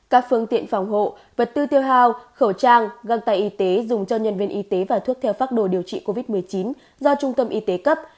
các phương tiện phòng hộ vật tư tiêu hào khẩu trang găng tay y tế dùng cho nhân viên y tế và thuốc theo phác đồ điều trị covid một mươi chín do trung tâm y tế cấp